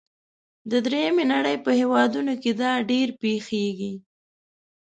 د دریمې نړۍ په هیوادونو کې دا ډیر پیښیږي.